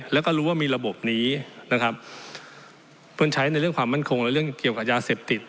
แล้วก็รู้ว่ามีระบบนี้นะครับเพิ่งใช้ในเรื่องความมั่นคงและเรื่องเกี่ยวกับยาเสพติด